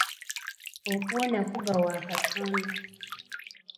Okuwona kuva wa katonda.